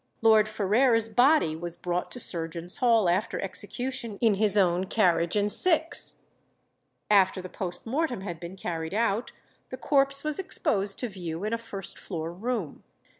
Lord Ferrers' body was brought to Surgeons' Hall after execution in his own carriage and six; after the post mortem had been carried out, the corpse was exposed to view in a first floor room.